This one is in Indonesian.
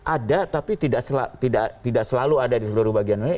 ada tapi tidak selalu ada di seluruh bagian lain